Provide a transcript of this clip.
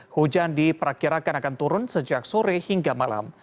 hujan diperkirakan akan turun sejak sore hingga malam